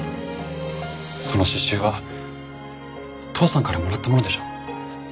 その詩集は父さんからもらったものでしょ？